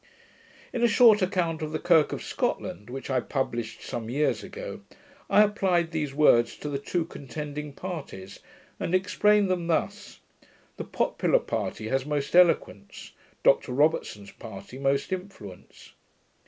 In a short Account of the Kirk of Scotland, which I published some years ago, I applied these words to the two contending parties, and explained them thus: 'The popular party has most eloquence; Dr Robertson's party most influence.'